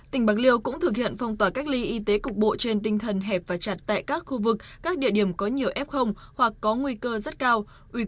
tỉnh bạc liêu cũng thực hiện phong tỏa cách ly y tế cục bộ trên tinh thần hẹp và chặt tại các khu vực các địa điểm có nhiều f hoặc có nguy cơ rất cao